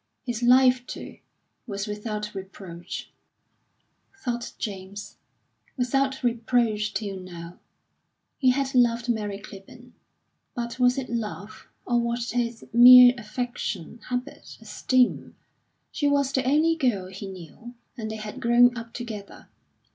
His life, too, was without reproach, thought James without reproach till now.... He had loved Mary Clibborn. But was it love, or was it merely affection, habit, esteem? She was the only girl he knew, and they had grown up together.